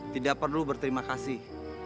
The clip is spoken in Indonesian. tidak perlu berterima kasih